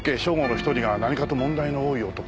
一人が何かと問題の多い男。